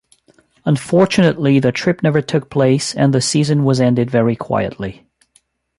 Unfortunately the trip never took place and the season was ended very quietly.